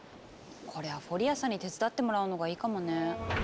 これはフォリアさんに手伝ってもらうのがいいかもね。